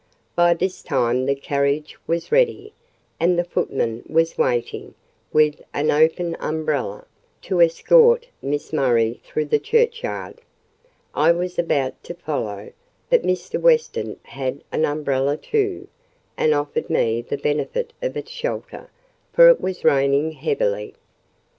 By this time the carriage was ready, and the footman was waiting, with an open umbrella, to escort Miss Murray through the churchyard. I was about to follow; but Mr. Weston had an umbrella too, and offered me the benefit of its shelter, for it was raining heavily.